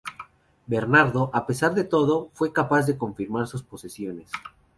Bernardo, a pesar de todo, fue capaz de confirmar sus posesiones.